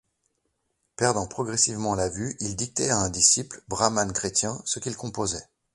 Perdant progressivement la vue il dictait à un disciple, brahmane chrétien, ce qu'il composait.